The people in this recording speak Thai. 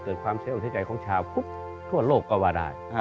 เกิดความเสียใจของชาวทั่วโลกก็ว่าได้